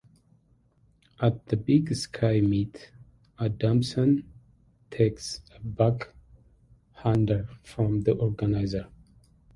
At the Big Sky meet, Adamson takes a backhander from the organizer.